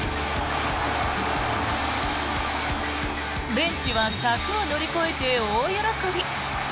ベンチは柵を乗り越えて大喜び。